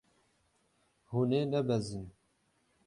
Hûn ê nebezin.